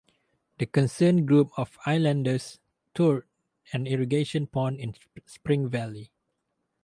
A concerned group of Islanders toured an irrigation pond in Spring Valley.